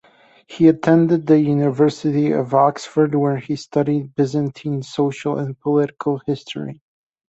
He attended the University of Oxford where he studied Byzantine social and political history.